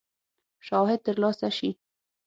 شواهد تر لاسه شي.